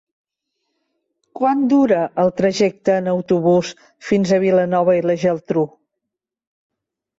Quant dura el trajecte en autobús fins a Vilanova i la Geltrú?